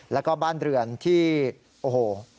แล้วก็บ้านเรือนที่โอ้โห